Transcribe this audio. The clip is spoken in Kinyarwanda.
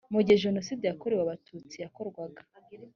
mu gihe jenoside yakorewe abatutsi yakorwaga